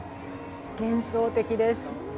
幻想的です。